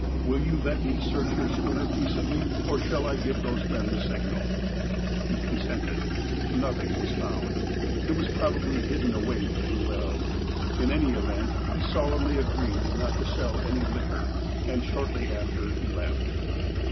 Will you let me search your schooner peaceably, or shall I give those men the signal ?" He consented. Nothing was found. It was probably hidden away pretty well. In any event, he solemnly agreed not to sell any liquor, and shortly after he left.